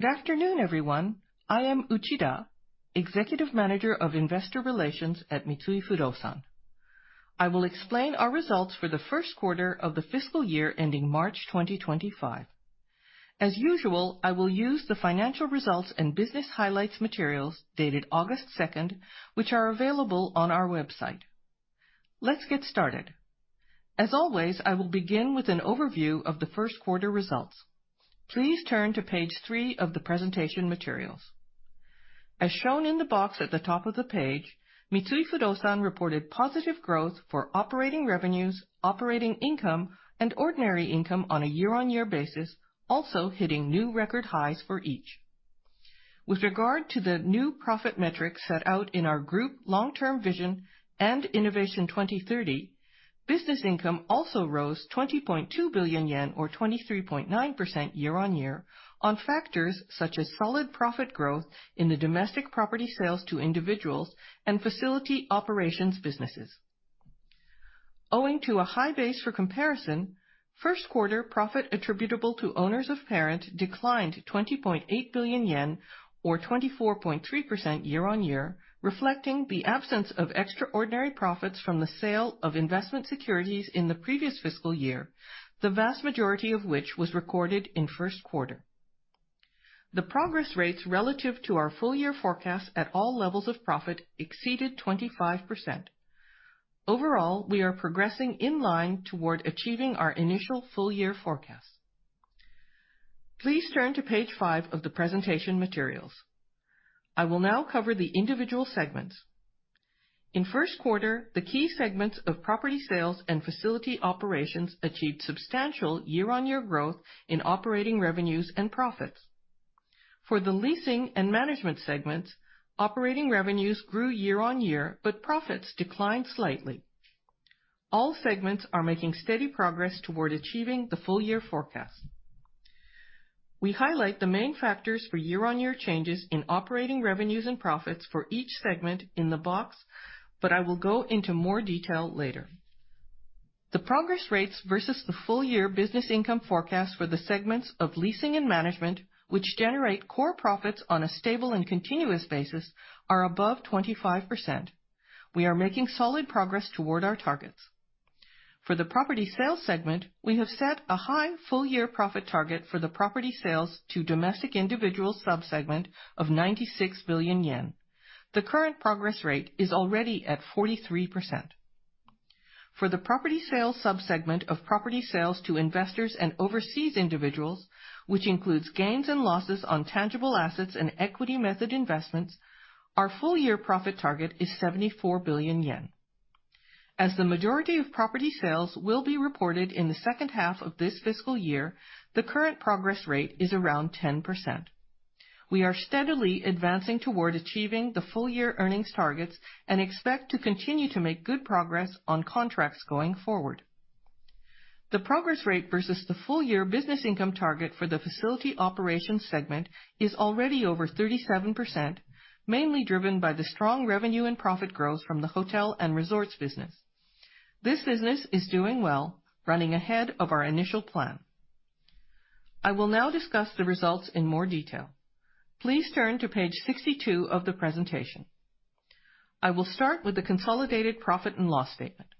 Good afternoon, everyone. I am Uchida, Executive Manager of Investor Relations at Mitsui Fudosan. I will explain our results for the Q1 of the fiscal year ending March 2025. As usual, I will use the financial results and business highlights materials dated August 2nd, which are available on our website. Let's get started. As always, I will begin with an overview of the Q1 results. Please turn to page 3 of the presentation materials. As shown in the box at the top of the page, Mitsui Fudosan reported positive growth for operating revenues, operating income, and ordinary income on a year-on-year basis, also hitting new record highs for each. With regard to the new profit metrics set out in our Group Long-Term Vision & INNOVATION 2030, business income also rose 20.2 billion yen, or 23.9% year-on-year, on factors such as solid profit growth in the domestic property sales to individuals and facility operations businesses. Owing to a high base for comparison, Q1 profit attributable to owners of parent declined 20.8 billion yen, or 24.3% year-on-year, reflecting the absence of extraordinary profits from the sale of investment securities in the previous fiscal year, the vast majority of which was recorded in Q1. The progress rates relative to our full-year forecast at all levels of profit exceeded 25%. Overall, we are progressing in line toward achieving our initial full-year forecast. Please turn to page 5 of the presentation materials. I will now cover the individual segments. In Q1, the key segments of property sales and facility operations achieved substantial year-on-year growth in operating revenues and profits. For the leasing and management segments, operating revenues grew year-on-year, but profits declined slightly. All segments are making steady progress toward achieving the full-year forecast. We highlight the main factors for year-on-year changes in operating revenues and profits for each segment in the box, but I will go into more detail later. The progress rates versus the full-year business income forecast for the segments of leasing and management, which generate core profits on a stable and continuous basis, are above 25%. We are making solid progress toward our targets. For the property sales segment, we have set a high full-year profit target for the property sales to domestic individuals subsegment of 96 billion yen. The current progress rate is already at 43%. For the property sales subsegment of property sales to investors and overseas individuals, which includes gains and losses on tangible assets and equity method investments, our full-year profit target is 74 billion yen. As the majority of property sales will be reported in the H2 of this fiscal year, the current progress rate is around 10%. We are steadily advancing toward achieving the full-year earnings targets and expect to continue to make good progress on contracts going forward. The progress rate versus the full-year business income target for the facility operations segment is already over 37%, mainly driven by the strong revenue and profit growth from the hotel and resorts business. This business is doing well, running ahead of our initial plan. I will now discuss the results in more detail. Please turn to page 62 of the presentation. I will start with the consolidated profit and loss statement.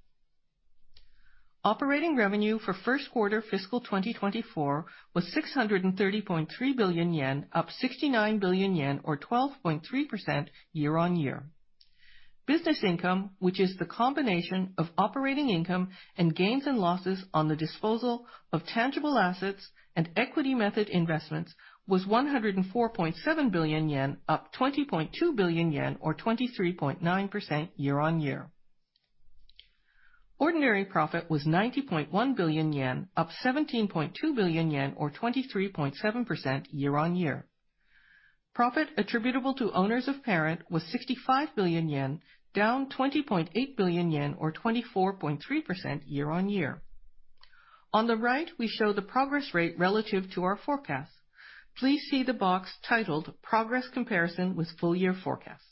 Operating revenue for Q1 fiscal 2024 was 630.3 billion yen, up 69 billion yen, or 12.3% year-on-year. Business income, which is the combination of operating income and gains and losses on the disposal of tangible assets and equity method investments, was 104.7 billion yen, up 20.2 billion yen, or 23.9% year-on-year. Ordinary profit was 90.1 billion yen, up 17.2 billion yen, or 23.7% year-on-year. Profit attributable to owners of parent was 65 billion yen, down 20.8 billion yen, or 24.3% year-on-year. On the right, we show the progress rate relative to our forecast. Please see the box titled "Progress Comparison with Full-Year Forecast."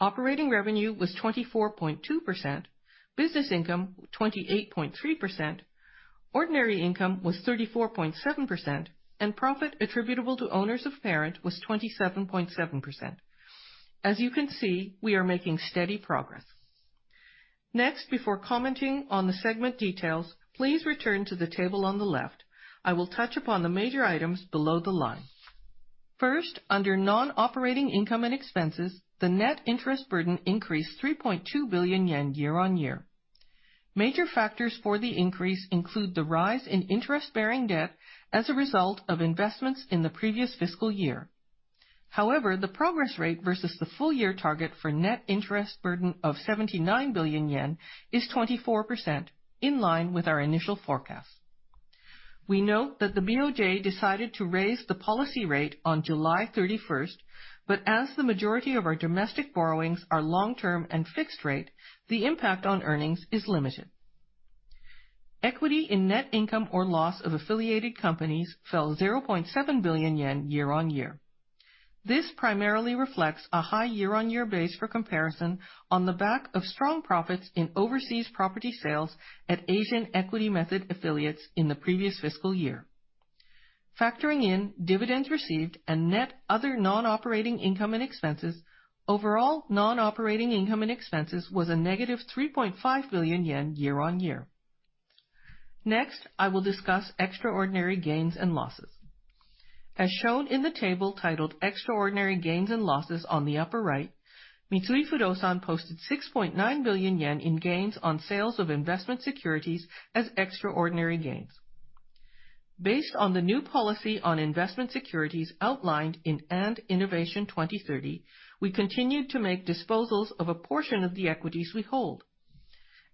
Operating revenue was 24.2%, business income 28.3%, ordinary income was 34.7%, and profit attributable to owners of parent was 27.7%. As you can see, we are making steady progress. Next, before commenting on the segment details, please return to the table on the left. I will touch upon the major items below the line. First, under non-operating income and expenses, the net interest burden increased 3.2 billion yen year-on-year. Major factors for the increase include the rise in interest-bearing debt as a result of investments in the previous fiscal year. However, the progress rate versus the full-year target for net interest burden of 79 billion yen is 24%, in line with our initial forecast. We note that the BOJ decided to raise the policy rate on July 31st, but as the majority of our domestic borrowings are long-term and fixed rate, the impact on earnings is limited. Equity in net income or loss of affiliated companies fell 0.7 billion yen year-on-year. This primarily reflects a high year-on-year base for comparison on the back of strong profits in overseas property sales at Asian equity method affiliates in the previous fiscal year. Factoring in dividends received and net other non-operating income and expenses, overall non-operating income and expenses was a negative 3.5 billion yen year-on-year. Next, I will discuss extraordinary gains and losses. As shown in the table titled "Extraordinary Gains and Losses" on the upper right, Mitsui Fudosan posted 6.9 billion yen in gains on sales of investment securities as extraordinary gains. Based on the new policy on investment securities outlined in & INNOVATION 2030, we continued to make disposals of a portion of the equities we hold.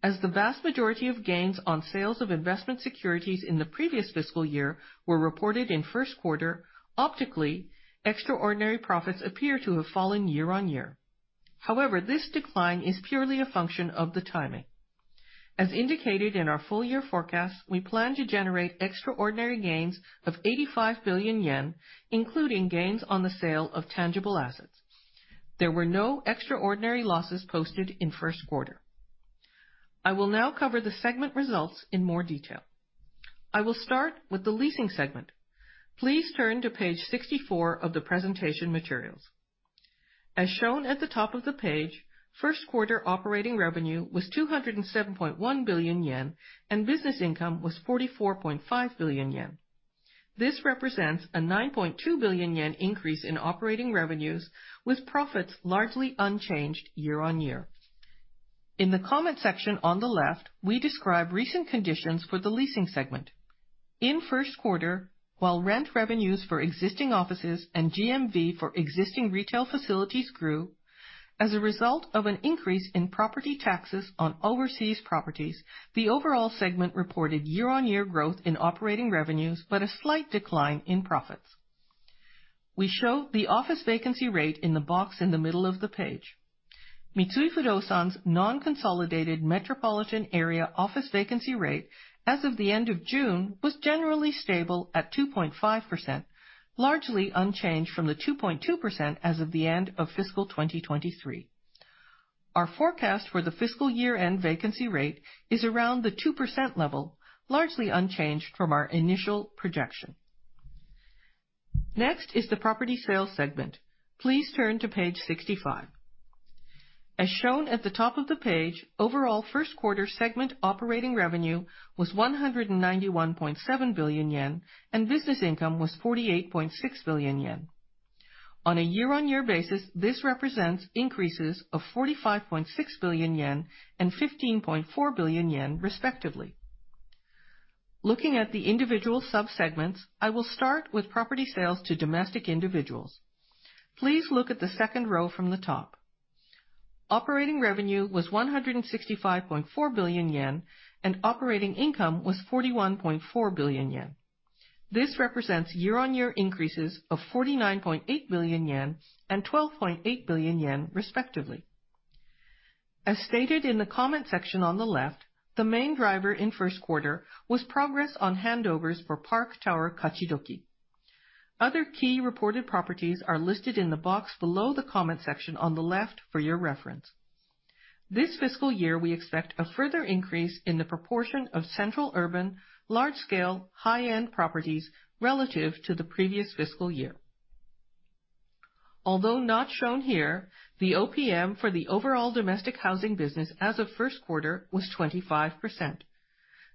As the vast majority of gains on sales of investment securities in the previous fiscal year were reported in Q1, optically, extraordinary profits appear to have fallen year-on-year. However, this decline is purely a function of the timing. As indicated in our full-year forecast, we plan to generate extraordinary gains of 85 billion yen, including gains on the sale of tangible assets. There were no extraordinary losses posted in Q1. I will now cover the segment results in more detail. I will start with the leasing segment. Please turn to page 64 of the presentation materials. As shown at the top of the page, Q1 operating revenue was 207.1 billion yen, and business income was 44.5 billion yen. This represents a 9.2 billion yen increase in operating revenues, with profits largely unchanged year-on-year. In the comment section on the left, we describe recent conditions for the leasing segment. In Q1, while rent revenues for existing offices and GMV for existing retail facilities grew as a result of an increase in property taxes on overseas properties, the overall segment reported year-on-year growth in operating revenues but a slight decline in profits. We show the office vacancy rate in the box in the middle of the page. Mitsui Fudosan's non-consolidated metropolitan area office vacancy rate as of the end of June was generally stable at 2.5%, largely unchanged from the 2.2% as of the end of fiscal 2023. Our forecast for the fiscal year-end vacancy rate is around the 2% level, largely unchanged from our initial projection. Next is the property sales segment. Please turn to page 65. As shown at the top of the page, overall Q1 segment operating revenue was 191.7 billion yen, and business income was 48.6 billion yen. On a year-on-year basis, this represents increases of 45.6 billion yen and 15.4 billion yen, respectively. Looking at the individual subsegments, I will start with property sales to domestic individuals. Please look at the second row from the top. Operating revenue was 165.4 billion yen, and operating income was 41.4 billion yen. This represents year-on-year increases of 49.8 billion yen and 12.8 billion yen, respectively. As stated in the comment section on the left, the main driver in Q1 was progress on handovers for Park Tower Kachidoki. Other key reported properties are listed in the box below the comment section on the left for your reference. This fiscal year, we expect a further increase in the proportion of central urban, large-scale, high-end properties relative to the previous fiscal year. Although not shown here, the OPM for the overall domestic housing business as of Q1 was 25%.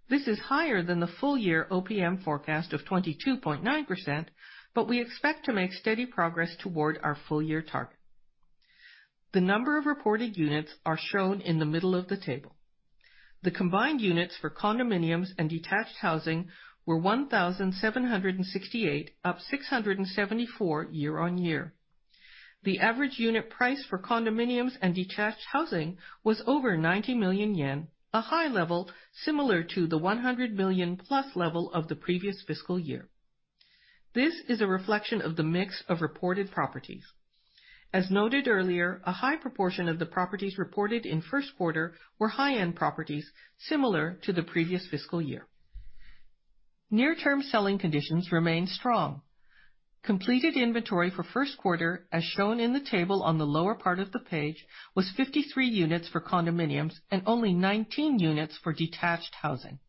This is higher than the full-year OPM forecast of 22.9%, but we expect to make steady progress toward our full-year target. The number of reported units is shown in the middle of the table. The combined units for condominiums and detached housing were 1,768, up 674 year-on-year. The average unit price for condominiums and detached housing was over 90 million yen, a high level similar to the 100 million-plus level of the previous fiscal year. This is a reflection of the mix of reported properties. As noted earlier, a high proportion of the properties reported in Q1 were high-end properties, similar to the previous fiscal year. Near-term selling conditions remain strong. Completed inventory for Q1, as shown in the table on the lower part of the page, was 53 units for condominiums and only 19 units for detached housing.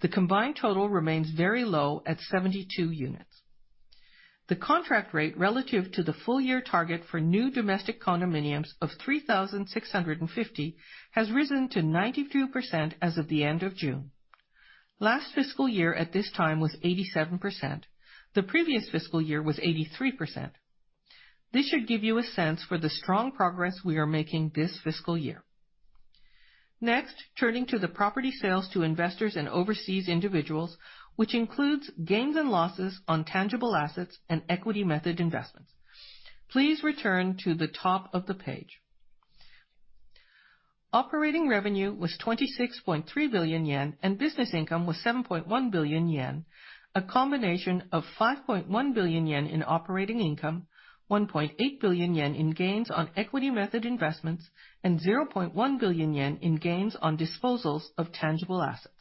The combined total remains very low at 72 units. The contract rate relative to the full-year target for new domestic condominiums of 3,650 has risen to 92% as of the end of June. Last fiscal year at this time was 87%. The previous fiscal year was 83%. This should give you a sense for the strong progress we are making this fiscal year. Next, turning to the property sales to investors and overseas individuals, which includes gains and losses on tangible assets and equity method investments. Please return to the top of the page. Operating revenue was 26.3 billion yen, and business income was 7.1 billion yen, a combination of 5.1 billion yen in operating income, 1.8 billion yen in gains on equity method investments, and 0.1 billion yen in gains on disposals of tangible assets.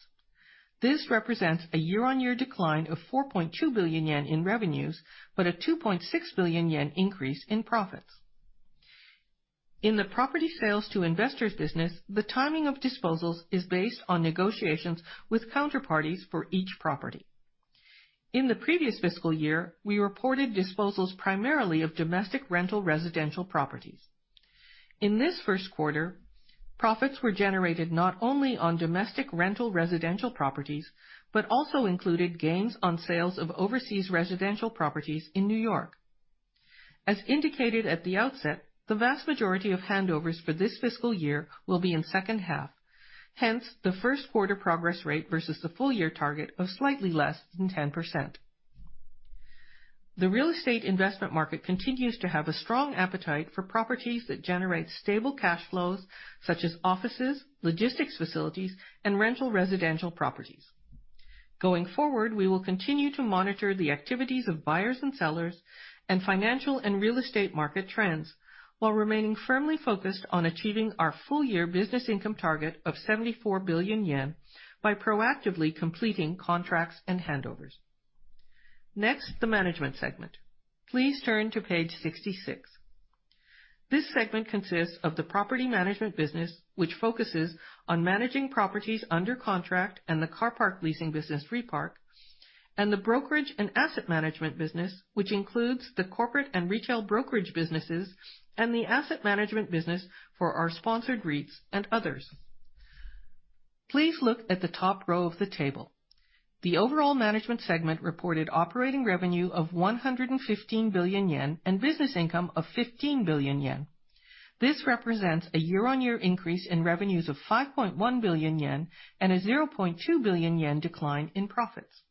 This represents a year-on-year decline of 4.2 billion yen in revenues, but a 2.6 billion yen increase in profits. In the property sales to investors business, the timing of disposals is based on negotiations with counterparties for each property. In the previous fiscal year, we reported disposals primarily of domestic rental residential properties. In this Q1, profits were generated not only on domestic rental residential properties but also included gains on sales of overseas residential properties in New York. As indicated at the outset, the vast majority of handovers for this fiscal year will be in H2. Hence, the Q1 progress rate versus the full-year target of slightly less than 10%. The real estate investment market continues to have a strong appetite for properties that generate stable cash flows, such as offices, logistics facilities, and rental residential properties. Going forward, we will continue to monitor the activities of buyers and sellers and financial and real estate market trends while remaining firmly focused on achieving our full-year business income target of 74 billion yen by proactively completing contracts and handovers. Next, the management segment. Please turn to page 66. This segment consists of the property management business, which focuses on managing properties under contract and the car park leasing business, Repark, and the brokerage and asset management business, which includes the corporate and retail brokerage businesses and the asset management business for our sponsored REITs and others. Please look at the top row of the table. The overall management segment reported operating revenue of 115 billion yen and business income of 15 billion yen. This represents a year-on-year increase in revenues of 5.1 billion yen and a 0.2 billion yen decline in profits.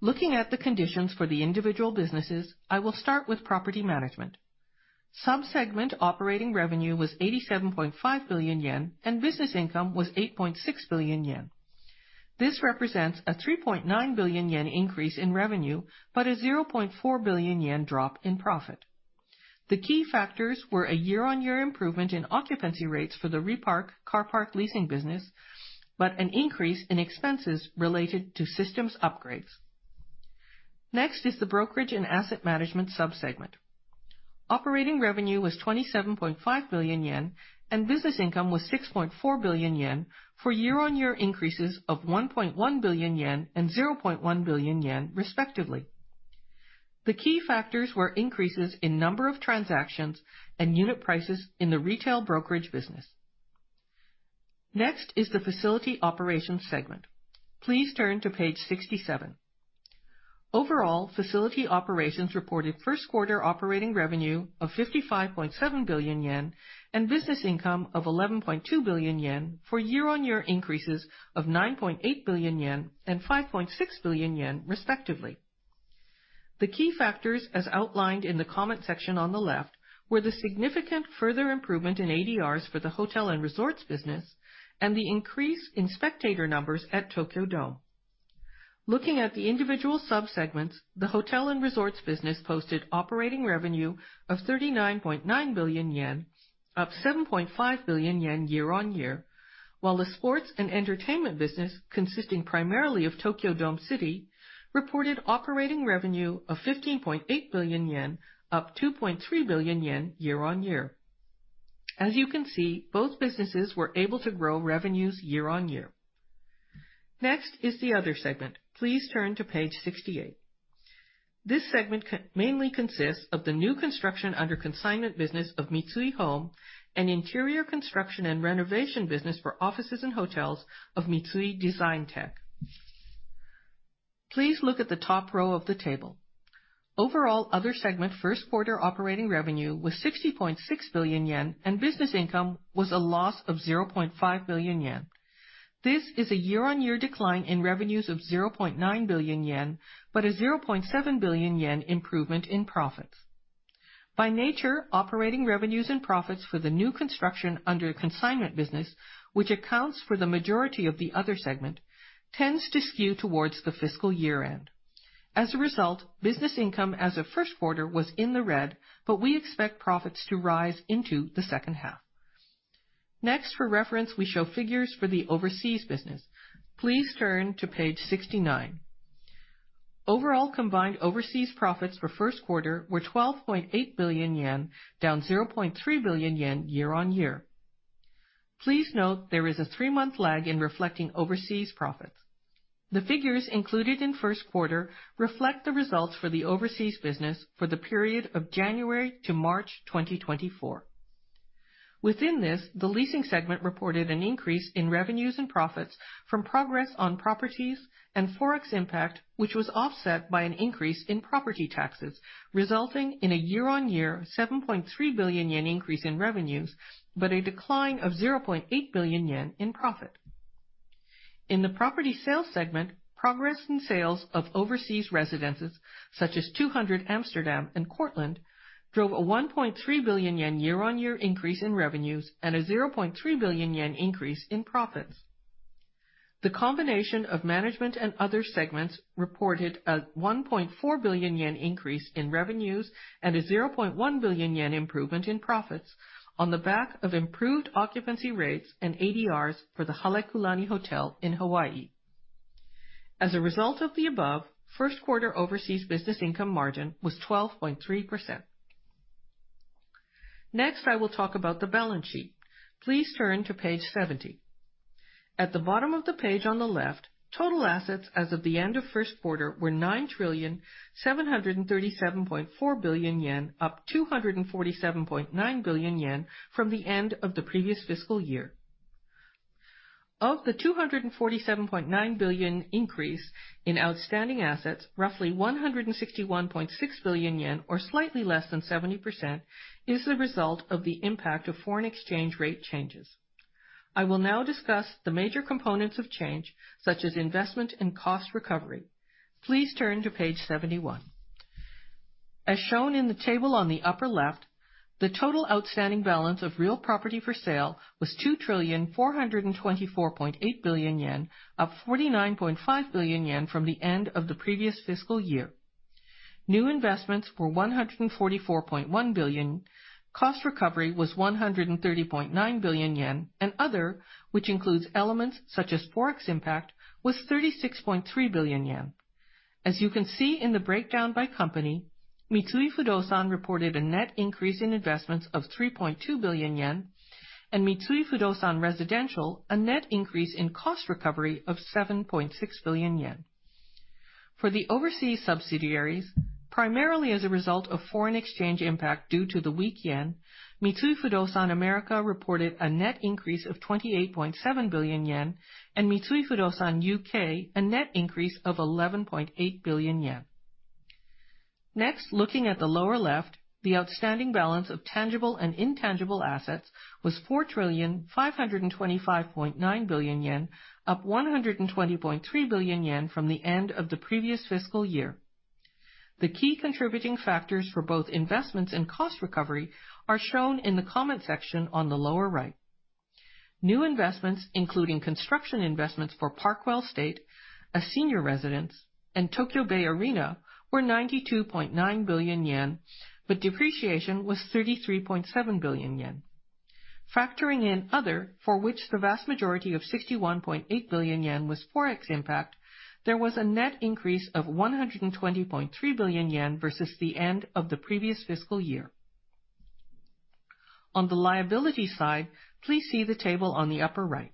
Looking at the conditions for the individual businesses, I will start with property management. Subsegment operating revenue was 87.5 billion yen, and business income was 8.6 billion yen. This represents a 3.9 billion yen increase in revenue but a 0.4 billion yen drop in profit. The key factors were a year-on-year improvement in occupancy rates for the Repark car park leasing business, but an increase in expenses related to systems upgrades. Next is the brokerage and asset management subsegment. Operating revenue was 27.5 billion yen, and business income was 6.4 billion yen for year-on-year increases of 1.1 billion yen and 0.1 billion yen, respectively. The key factors were increases in number of transactions and unit prices in the retail brokerage business. Next is the facility operations segment. Please turn to page 67. Overall, facility operations reported Q1 operating revenue of 55.7 billion yen and business income of 11.2 billion yen for year-on-year increases of 9.8 billion yen and 5.6 billion yen, respectively. The key factors, as outlined in the comment section on the left, were the significant further improvement in ADRs for the hotel and resorts business and the increase in spectator numbers at Tokyo Dome. Looking at the individual subsegments, the hotel and resorts business posted operating revenue of 39.9 billion yen, up 7.5 billion yen year-on-year, while the sports and entertainment business, consisting primarily of Tokyo Dome City, reported operating revenue of 15.8 billion yen, up 2.3 billion yen year-on-year. As you can see, both businesses were able to grow revenues year-on-year. Next is the other segment. Please turn to page 68. This segment mainly consists of the new construction under consignment business of Mitsui Home and interior construction and renovation business for offices and hotels of Mitsui Designtec. Please look at the top row of the table. Overall, other segment Q1 operating revenue was 60.6 billion yen, and business income was a loss of 0.5 billion yen. This is a year-on-year decline in revenues of 0.9 billion yen but a 0.7 billion yen improvement in profits. By nature, operating revenues and profits for the new construction under consignment business, which accounts for the majority of the other segment, tend to skew towards the fiscal year-end. As a result, business income as of Q1 was in the red, but we expect profits to rise into the H2. Next, for reference, we show figures for the overseas business. Please turn to page 69. Overall combined overseas profits for Q1 were 12.8 billion yen, down 0.3 billion yen year-on-year. Please note there is a three-month lag in reflecting overseas profits. The figures included in Q1 reflect the results for the overseas business for the period of January to March 2024. Within this, the leasing segment reported an increase in revenues and profits from progress on properties and forex impact, which was offset by an increase in property taxes, resulting in a year-on-year 7.3 billion yen increase in revenues but a decline of 0.8 billion yen in profit. In the property sales segment, progress in sales of overseas residences, such as 200 Amsterdam and Cortland, drove a 1.3 billion yen year-on-year increase in revenues and a 0.3 billion yen increase in profits. The combination of management and other segments reported a 1.4 billion yen increase in revenues and a 0.1 billion yen improvement in profits on the back of improved occupancy rates and ADRs for the Halekulani Hotel in Hawaii. As a result of the above, Q1 overseas business income margin was 12.3%. Next, I will talk about the balance sheet. Please turn to page 70. At the bottom of the page on the left, total assets as of the end of Q1 were 9,737.4 billion yen, up 247.9 billion yen from the end of the previous fiscal year. Of the 247.9 billion increase in outstanding assets, roughly 161.6 billion yen, or slightly less than 70%, is the result of the impact of foreign exchange rate changes. I will now discuss the major components of change, such as investment and cost recovery. Please turn to page 71. As shown in the table on the upper left, the total outstanding balance of real property for sale was 2,424.8 billion yen, up 49.5 billion yen from the end of the previous fiscal year. New investments were 144.1 billion, cost recovery was 130.9 billion yen, and other, which includes elements such as forex impact, was 36.3 billion yen. As you can see in the breakdown by company, Mitsui Fudosan reported a net increase in investments of 3.2 billion yen, and Mitsui Fudosan Residential a net increase in cost recovery of 7.6 billion yen. For the overseas subsidiaries, primarily as a result of foreign exchange impact due to the weak yen, Mitsui Fudosan America reported a net increase of 28.7 billion yen, and Mitsui Fudosan UK a net increase of 11.8 billion yen. Next, looking at the lower left, the outstanding balance of tangible and intangible assets was 4,525.9 billion yen, up 120.3 billion yen from the end of the previous fiscal year. The key contributing factors for both investments and cost recovery are shown in the comment section on the lower right. New investments, including construction investments for Park Well State, a senior residence, and Tokyo Bay Arena, were 92.9 billion yen, but depreciation was 33.7 billion yen. Factoring in other, for which the vast majority of 61.8 billion yen was forex impact, there was a net increase of 120.3 billion yen versus the end of the previous fiscal year. On the liability side, please see the table on the upper right.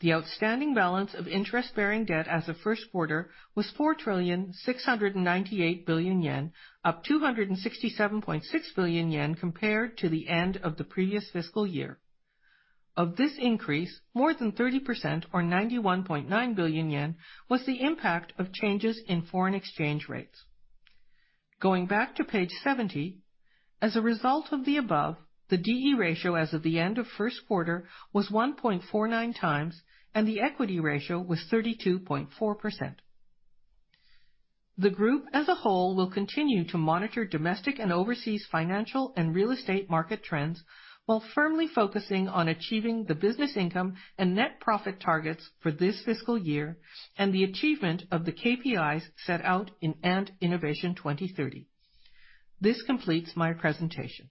The outstanding balance of interest-bearing debt as of Q1 was 4,698 billion yen, up 267.6 billion yen compared to the end of the previous fiscal year. Of this increase, more than 30%, or 91.9 billion yen, was the impact of changes in foreign exchange rates. Going back to page 70, as a result of the above, the DE ratio as of the end of Q1 was 1.49 times, and the equity ratio was 32.4%. The group as a whole will continue to monitor domestic and overseas financial and real estate market trends while firmly focusing on achieving the business income and net profit targets for this fiscal year and the achievement of the KPIs set out in & INNOVATION 2030. This completes my presentation.